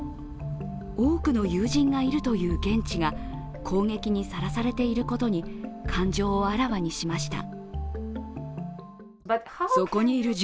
多くの友人がいるという現地が攻撃にさらされていることに感情をあらわにしました。